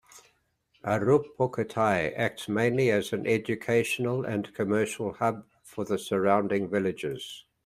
Aruppukottai acts mainly as an educational and commercial hub for the surrounding villages.